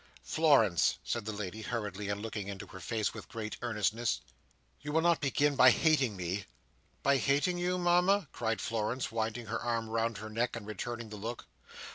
"Florence," said the lady, hurriedly, and looking into her face with great earnestness. "You will not begin by hating me?" "By hating you, Mama?" cried Florence, winding her arm round her neck, and returning the look.